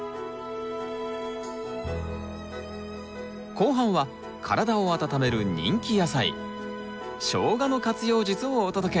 後半は体を温める人気野菜ショウガの活用術をお届け！